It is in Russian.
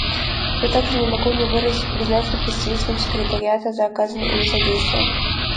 Я также не могу не выразить признательность представителям Секретариата за оказанное ими содействие.